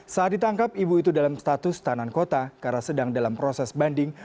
saat ditangkap ibu itu dalam status tanan kota karena sedang dalam proses banding